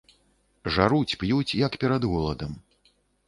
Жаруць, п'юць, як перад голадам.